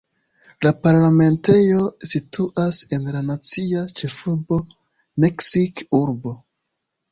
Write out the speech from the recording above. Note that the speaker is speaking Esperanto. La parlamentejo situas en la nacia ĉefurbo Meksik-urbo.